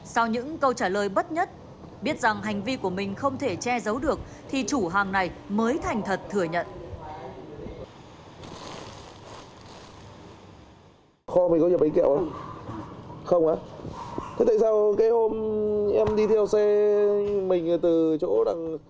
sau những câu trả lời bất nhất biết rằng hành vi của mình không thể che giấu được thì chủ hàng này mới thành thật thừa nhận